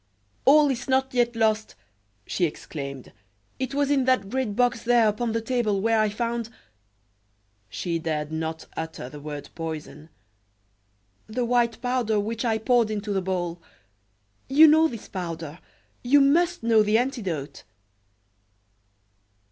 "All is not yet lost," she exclaimed. "It was in that great box there upon the table, where I found" she dared not utter the word poison "the white powder which I poured into the bowl. You know this powder; you must know the antidote."